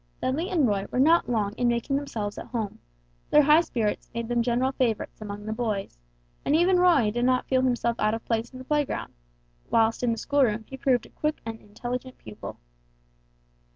Dudley and Roy were not long in making themselves at home; their high spirits made them general favorites amongst the boys; and even Roy did not feel himself out of place in the playground, whilst in the schoolroom he proved a quick and intelligent pupil.